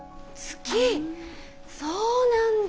そうなんだ。